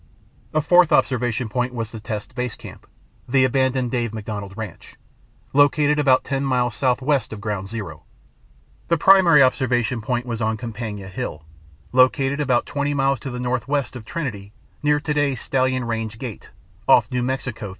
A fourth observation point was the test's Base Camp, (the abandoned Dave McDonald ranch) located about ten miles southwest of Ground Zero. The primary observation point was on Compania Hill, located about 20 miles to the northwest of Trinity near today's Stallion Range Gate, off NM 380.